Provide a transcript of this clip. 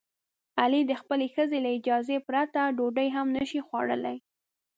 علي د خپلې ښځې له اجازې پرته ډوډۍ هم نشي خوړلی.